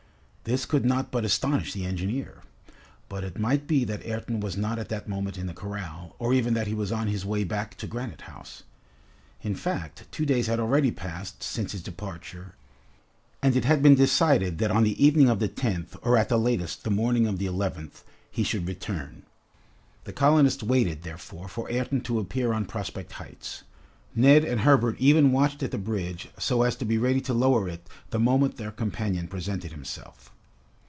This could not but astonish the engineer. But it might be that Ayrton was not at that moment in the corral, or even that he was on his way back to Granite House. In fact, two days had already passed since his departure, and it had been decided that on the evening of the 10th or at the latest the morning of the 11th, he should return. The colonists waited, therefore, for Ayrton to appear on Prospect Heights. Neb and Herbert even watched at the bridge so as to be ready to lower it the moment their companion presented himself.